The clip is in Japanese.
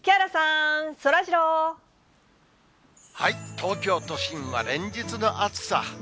東京都心は連日の暑さ。